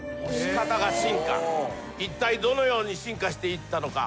いったいどのように進化していったのか？